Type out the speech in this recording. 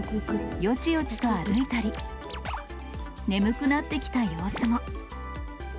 よちよちと歩いたり、眠くなってきた様子も。